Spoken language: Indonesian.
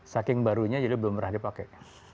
saking barunya jadi belum pernah dipakai